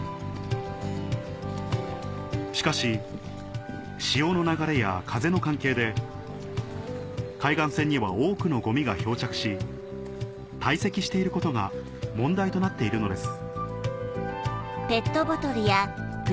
しかし潮の流れや風の関係で海岸線には多くのゴミが漂着し堆積していることが問題となっているのです６